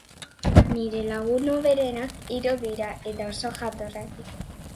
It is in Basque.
Bizkarrean bi leiho dauzka barruan sortzen den berotasuna ateratzeko.